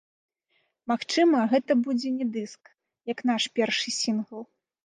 Магчыма, гэта будзе не дыск, як наш першы сінгл.